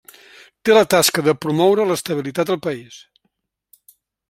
Té la tasca de promoure l'estabilitat al país.